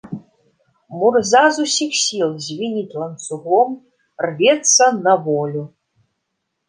Мурза з усіх сіл звініць ланцугом, рвецца на волю.